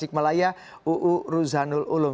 yang terakhir adalah uruzanul ulum